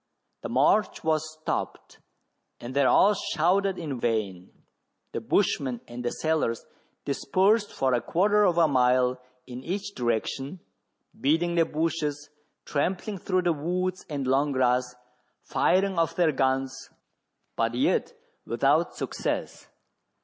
The march was stopped, and they all shouted in vain. The bushman and the sailors dispersed for a quarter of a mile in each direction, beating the bushes, trampling through the woods and long grass, firing ofif their guns, but yet without success.